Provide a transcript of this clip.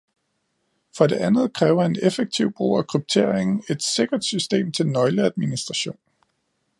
For det andet kræver en effektiv brug af kryptering et sikkert system til nøgleadministration.